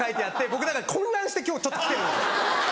僕だから混乱して今日ちょっと来てるんですよ。